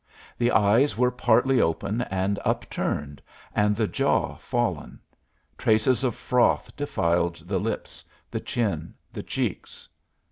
The eyes were partly open and upturned and the jaw fallen; traces of froth defiled the lips, the chin, the cheeks.